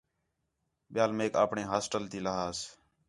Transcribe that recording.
ٻِیال میک اپݨے ہاسٹل تی لہاس